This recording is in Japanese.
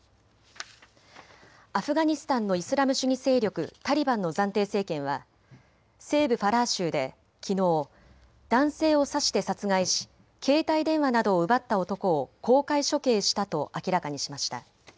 アフガニスタンのイスラム主義勢力タリバンの暫定政権は西部ファラー州できのう、男性を刺して殺害し携帯電話などを奪った男を公開処刑したと明らかにしました。